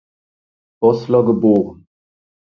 Boßler geboren.